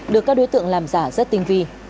được các đối tượng làm giả rất tinh vi